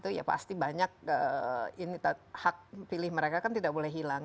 itu ya pasti banyak hak pilih mereka kan tidak boleh hilang